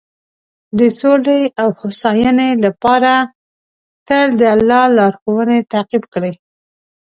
د سولې او هوساینې لپاره تل د الله لارښوونې تعقیب کړئ.